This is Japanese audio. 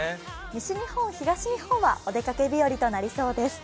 西日本、東日本はお出かけ日和となりそうです。